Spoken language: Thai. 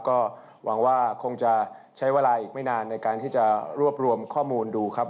ก็หวังว่าคงจะใช้เวลาอีกไม่นานในการที่จะรวบรวมข้อมูลดูครับ